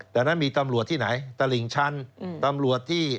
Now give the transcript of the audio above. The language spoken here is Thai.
ดังนั้นมีตำรวจที่ไหนตลิ่งชั้นตำรวจที่